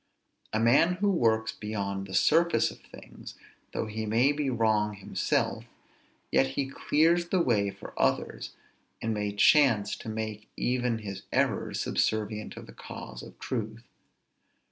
A man who works beyond the surface of things, though he may be wrong himself, yet he clears the way for others, and may chance to make even his errors subservient to the cause of truth.